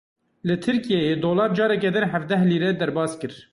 Li Tirkiyeyê dolar careke din hevdeh lîre derbas kir.